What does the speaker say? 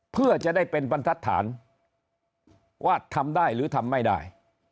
เพื่อจะได้เป็นบรรทัศน์ว่าทำได้หรือทำไม่ได้